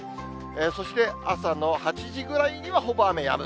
そして朝の８時ぐらいにはほぼ雨やむ。